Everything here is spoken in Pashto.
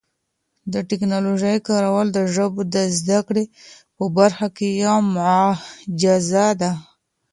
د ټکنالوژۍ کارول د ژبو د زده کړې په برخه کي یو معجزه ده.